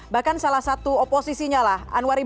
bahkan salah satu oposisinya lah